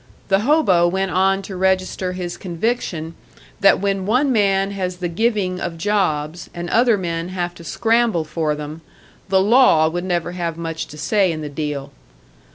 The hobo went on to register his conviction that when one man has the giving of jobs, and other men have to scramble for them, the law would never have much to say in the deal.